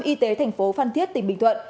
y tế thành phố phan thiết tỉnh bình thuận